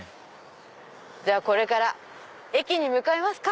じゃあこれから駅に向かいますか。